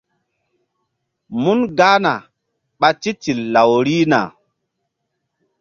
Mun gahna ɓa titil law rihna.